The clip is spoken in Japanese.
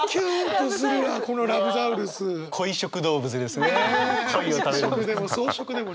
恋食動物ですね。